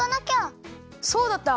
そうだった。